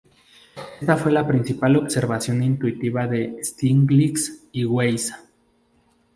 Esta fue la principal observación intuitiva de Stiglitz y Weiss.